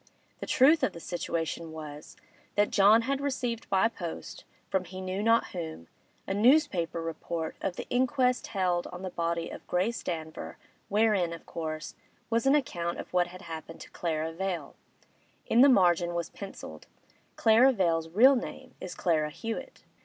The truth of the situation was, that John had received by post, from he knew not whom, a newspaper report of the inquest held on the body of Grace Danver, wherein, of course, was an account of what had happened to Clara Vale; in the margin was pencilled, 'Clara Vale's real name is Clara Hewett.